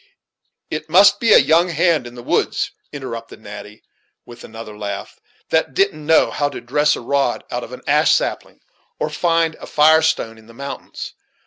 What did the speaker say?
"It must be a young hand in the woods," interrupted Natty, with another laugh, "that didn't know how to dress a rod out of an ash sapling or find a fire stone in the mountains.